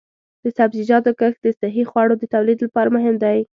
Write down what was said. د سبزیجاتو کښت د صحي خوړو د تولید لپاره مهم دی.